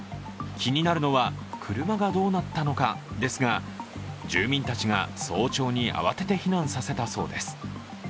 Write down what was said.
気になるのは、車がどうなったのかですが住民たちが早朝に慌てて避難させたそうです。